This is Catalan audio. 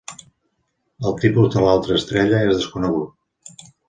El tipus de l'altra estrella és desconegut.